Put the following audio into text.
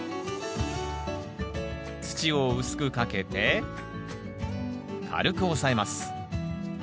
土を薄くかけて軽く押さえます。